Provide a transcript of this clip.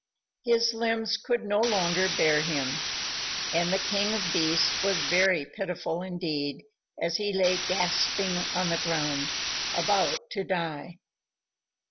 His limbs could no longer bear him, and the King of Beasts was very pitiful indeed as he lay gasping on the ground, about to die.